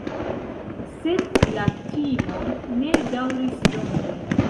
Sed la timo ne daŭris longe.